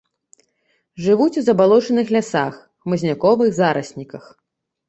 Жывуць у забалочаных лясах, хмызняковых зарасніках.